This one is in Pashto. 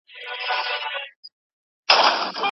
په هوا کشپ روان وو ننداره سوه